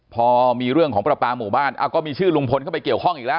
พอมีเรื่องของประปาหมู่บ้านก็มีชื่อลุงพลเข้าไปเกี่ยวข้องอีกแล้ว